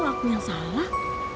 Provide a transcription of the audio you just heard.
aku yang salah